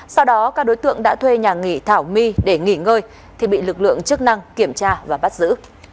sau đó các đối tượng đã thuê nhà nghị thảo my để nghỉ ngơi thì bị lực lượng chức năng kiểm tra và bắt giữ